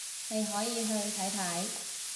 你可以去睇睇